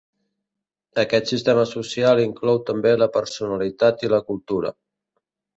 Aquest sistema social inclou també la personalitat i la cultura.